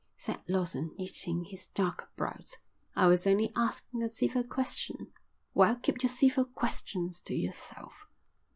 said Lawson, knitting his dark brows. "I was only asking a civil question." "Well, keep your civil questions to yourself."